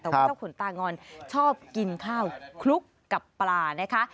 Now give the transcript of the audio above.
แต่ว่าเจ้าขุนตางอนชอบกินข้าวคลุกกับปลานะคะ